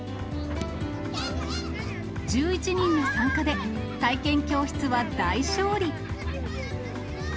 １１人の参加で、体験教室は大勝利。